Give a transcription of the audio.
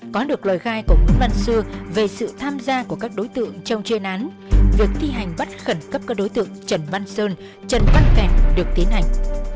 có được lời khai của nguyễn văn xua về sự tham gia của các đối tượng trong chuyên án việc thi hành bắt khẩn cấp các đối tượng trần văn sơn trần văn kẹp được tiến hành